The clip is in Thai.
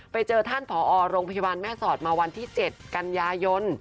ไปเจอท่านผอโรงพยาบาลแม่สอดมาวันที่๗กันยายน